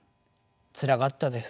つらかったです。